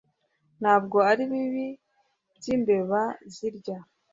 Ntabwo ari bibi byimbeba zirya